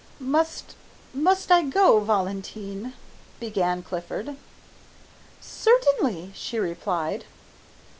"Must must I go, Valentine?" began Clifford. "Certainly," she replied.